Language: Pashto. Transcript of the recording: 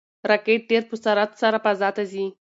راکټ ډېر په سرعت سره فضا ته ځي.